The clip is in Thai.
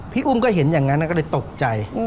พี่อุ้มก็เห็นอย่างนั้นก็เลยตกใจ